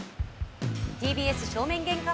ＴＢＳ正面玄関